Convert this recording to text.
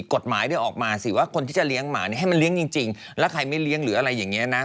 กฎหมายเนี่ยออกมาสิว่าคนที่จะเลี้ยงหมาเนี่ยให้มันเลี้ยงจริงแล้วใครไม่เลี้ยงหรืออะไรอย่างนี้นะ